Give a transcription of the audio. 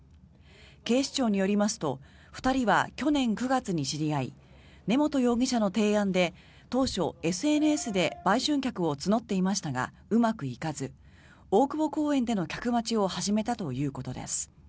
警視庁によりますと２人は去年９月に知り合い根本容疑者の提案で当初、ＳＮＳで売春客を募っていましたがうまくいかず大久保公園での客待ちを始めたということです。